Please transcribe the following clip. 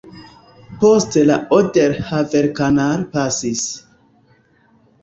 Poste la Oder-Havel-Kanal pasis.